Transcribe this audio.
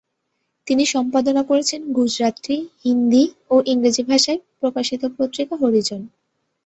তিনি সম্পাদনা করেছেন গুজরাটি, হিন্দি ও ইংরেজি ভাষায় প্রকাশিত পত্রিকা হরিজন।